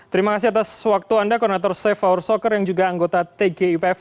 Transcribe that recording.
terima kasih atas waktu anda koordinator safe hour soccer yang juga anggota tgipf